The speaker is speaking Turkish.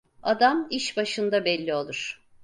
Adam iş başında belli olur.